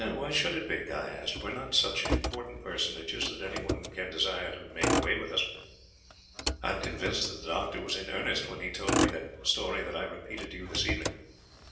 "Why should it be?" Guy asked. "We are not such important personages that anyone can desire to make away with us. I am convinced that the doctor was in earnest when he told me that story that I repeated to you this evening.